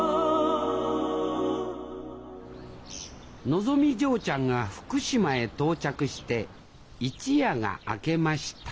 のぞみ嬢ちゃんが福島へ到着して一夜が明けました